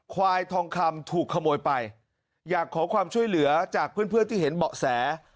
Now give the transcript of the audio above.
ควายทองคำถูกขโมยไปอยากขอความช่วยเหลือจากเพื่อนเพื่อนที่เห็นเบาะแส